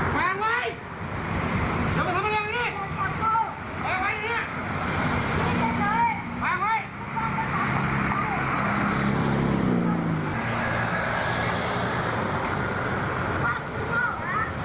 พี่ป๊อสปล่อยรถทำไมไม่จัด